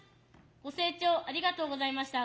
ご清聴ありがとうございました。